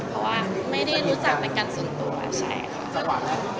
เพราะว่าไม่ได้รู้จักเป็นการส่วนตัวใช่ค่ะ